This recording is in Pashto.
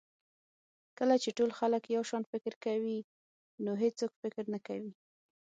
کله چې ټول خلک یو شان فکر کوي نو هېڅوک فکر نه کوي.